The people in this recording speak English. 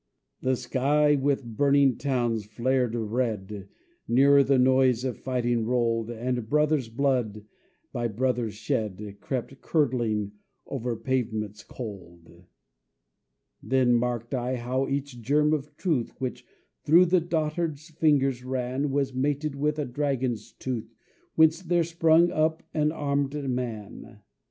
The sky with burning towns flared red, Nearer the noise of fighting rolled, And brothers' blood, by brothers shed, Crept, curdling, over pavements cold. Then marked I how each germ of truth Which through the dotard's fingers ran Was mated with a dragon's tooth Whence there sprang up an armed man.